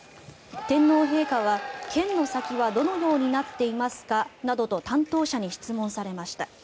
天皇陛下は、剣の先はどのようになっていますかなどと担当者に質問されました。